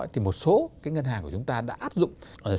thì một số cái ngân hàng của chúng ta đã có những cái ứng dụng tương đối tốt